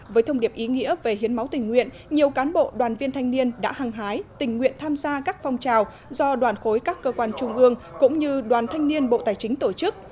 với thông điệp ý nghĩa về hiến máu tình nguyện nhiều cán bộ đoàn viên thanh niên đã hăng hái tình nguyện tham gia các phong trào do đoàn khối các cơ quan trung ương cũng như đoàn thanh niên bộ tài chính tổ chức